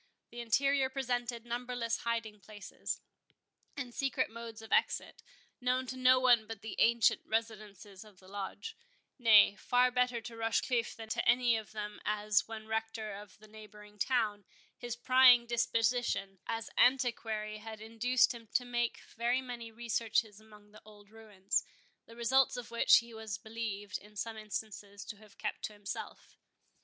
The interior presented numberless hiding places, and secret modes of exit, known to no one but the ancient residents of the Lodge—nay, far better to Rochecliffe than to any of them; as, when Rector at the neighbouring town, his prying disposition as an antiquary had induced him to make very many researches among the old ruins—the results of which he was believed, in some instances, to have kept to himself.